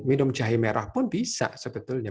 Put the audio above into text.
minum jahe merah pun bisa sebetulnya